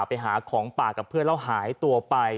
ไปหาของป่ากับเพื่อนแล้วหายตัวไป